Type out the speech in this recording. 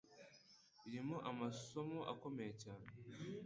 irimo amasomo akomeye cyane